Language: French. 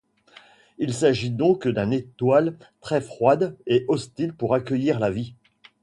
Il s'agit donc d'un étoile très froide et hostile pour accueillir la vie.